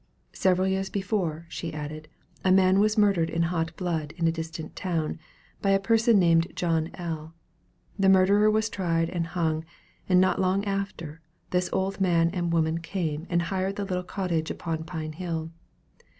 Several years before, she added, a man was murdered in hot blood in a distant town, by a person named John L. The murderer was tried and hung; and not long after, this old man and woman came and hired the little cottage upon Pine Hill.